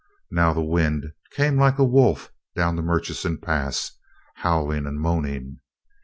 Now the wind came like a wolf down the Murchison Pass, howling and moaning.